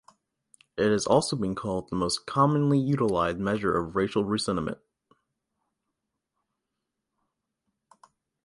It has also been called the most commonly utilized measure of racial resentment.